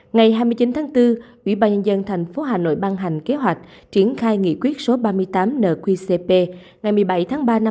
ngày hai mươi chín tháng bốn ubnd tp hà nội ban hành kế hoạch triển khai nghị quyết số ba mươi tám nqcp ngày một mươi bảy tháng ba năm hai nghìn hai mươi hai